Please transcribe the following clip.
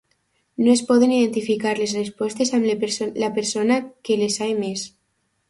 No es poden identificar les respostes amb la persona que les ha emès.